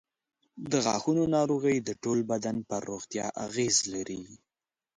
د غاښونو ناروغۍ د ټول بدن پر روغتیا اغېز لري.